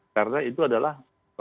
karena itu adalah